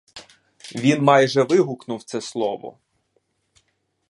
Він майже вигукнув це слово.